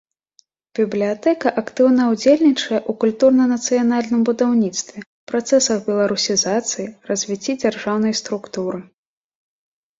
Бібліятэка актыўна ўдзельнічае ў культурна-нацыянальным будаўніцтве, працэсах беларусізацыі, развіцці дзяржаўнай структуры.